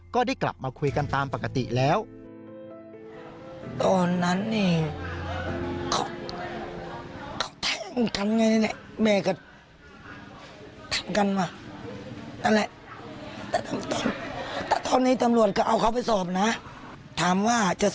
ก็ได้กลับมาคุยกันตามปกติแล้ว